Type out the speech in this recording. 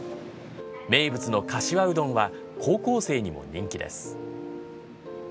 名物のかしわうどんは高校生にも人気です。